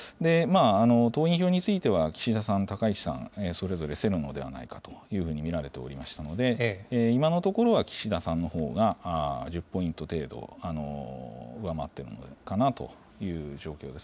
党員票については、岸田さん、高市さん、それぞれ競るのではないかと見られておりましたので、今のところは岸田さんのほうが、１０ポイント程度、上回っているのかなという状況です。